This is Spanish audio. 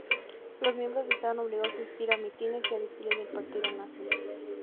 Los miembros estaban obligados a asistir a mítines y desfiles del partido nazi.